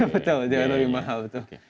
betul jogja lebih mahal